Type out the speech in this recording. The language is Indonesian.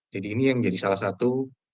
jadi ini yang menjadi salah satu